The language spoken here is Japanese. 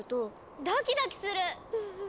ドキドキする！